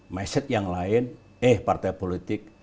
message yang lain eh partai politik